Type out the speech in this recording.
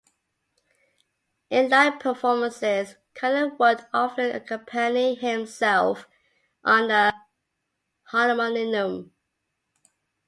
In live performances Cutler would often accompany himself on a harmonium.